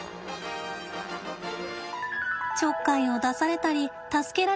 ちょっかいを出されたり助けられたり。